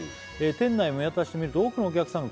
「店内を見渡してみると多くのお客さんが」